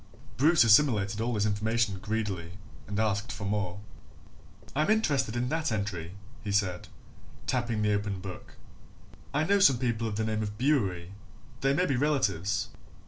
Bruce assimilated all this information greedily and asked for more. "I'm interested in that entry," he said, tapping the open book. "I know some people of the name of Bewery they may be relatives."